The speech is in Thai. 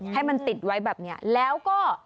ให้มันติดไว้แบบนี้แล้วก็